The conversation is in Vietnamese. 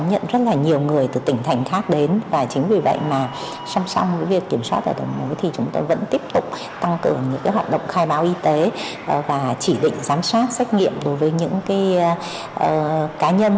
những hoạt động khai báo y tế và chỉ định giám sát xét nghiệm đối với những cá nhân